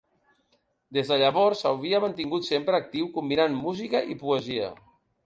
Des de llavors s’havia mantingut sempre actiu combinant música i poesia.